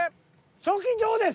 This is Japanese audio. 賞金女王です！